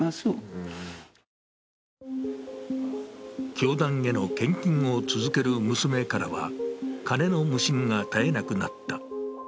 教団への献金を続ける娘からは、金の無心が絶えなくなった。